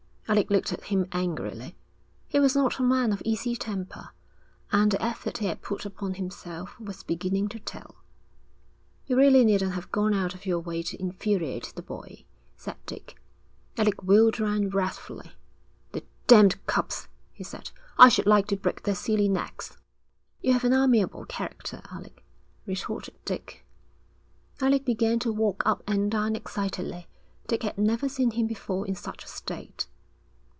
Alec looked at him angrily. He was not a man of easy temper, and the effort he had put upon himself was beginning to tell. 'You really needn't have gone out of your way to infuriate the boy,' said Dick. Alec wheeled round wrathfully. 'The damned cubs,' he said. 'I should like to break their silly necks.' 'You have an amiable character, Alec,' retorted Dick. Alec began to walk up and down excitedly. Dick had never seen him before in such a state.